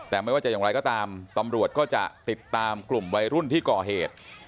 แต่ไม่ว่าจะอย่างไรก็ตามตำรวจก็จะติดตามกลุ่มวัยรุ่นที่ก่อเหตุ